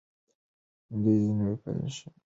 د دوی نوم په پیشلیک کې نه وو لیکل سوی.